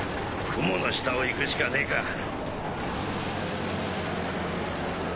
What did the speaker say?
雲の下を行くしかねえか。